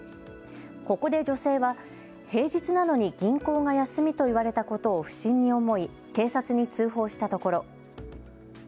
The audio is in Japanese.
ここで女性は平日なのに銀行が休みと言われたことを不審に思い警察に通報したところ。